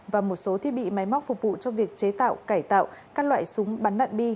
và một số thiết bị máy móc phục vụ cho việc chế tạo cải tạo các loại súng bắn đạn bi